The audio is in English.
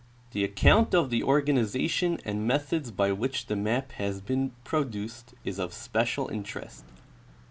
The account of the organization and methods by which the map has been produced is of special interest.